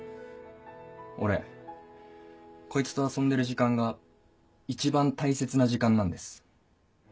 俺こいつと遊んでる時間が一番大切な時間なんです。